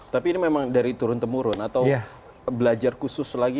tapi ini memang dari turun temurun atau belajar khusus lagi